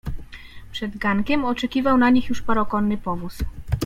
"Przed gankiem oczekiwał na nich już parokonny powóz."